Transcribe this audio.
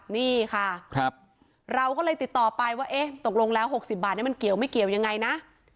นี่ค่ะเราก็เลยติดต่อไปว่าเอ๊ะตกลงแล้ว๖๐บาทมันเกี่ยวไม่เกี่ยวยังไงนะ